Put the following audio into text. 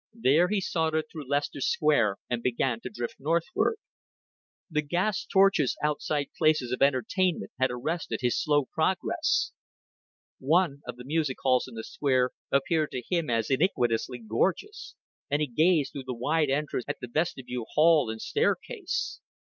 Then he sauntered through Leicester Square and began to drift northward. The gas torches outside places of entertainment had arrested his slow progress. One of the music halls in the Square appeared to him as iniquitously gorgeous, and he gazed through the wide entrance at the vestibule hall, and staircase.